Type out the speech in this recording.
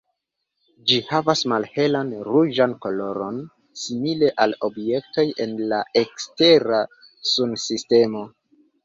Ĝi havas malhelan ruĝan koloron, simile al objektoj en la ekstera Sunsistemo.